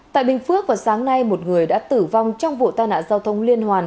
tại bình phước vào sáng nay một người đã tử vong trong vụ tai nạn giao thông liên hoàn